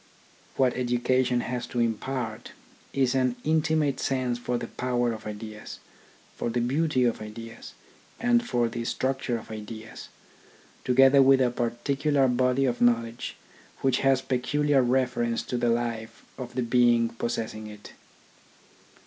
What education, has to impart is an intimate sense for the power of ideas, for the beauty of ideas, and for the structure of ideas, together with a particular body of knowledge which has peculiar reference to the life of the being possess ing it.